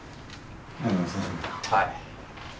はい。